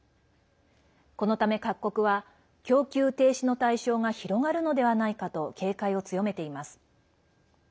このため各国は供給停止の対象が広がるのではないかと警戒を強めています。